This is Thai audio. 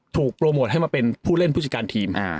โปรโมทให้มาเป็นผู้เล่นผู้จัดการทีม